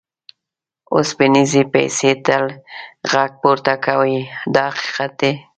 اوسپنیزې پیسې تل غږ پورته کوي دا حقیقت دی.